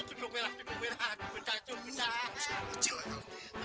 tidak semudah itu